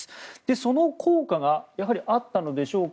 その効果があったのでしょうか